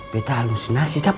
betta halusinasi kak payah